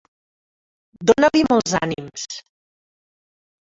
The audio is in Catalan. Dona-li molts ànims.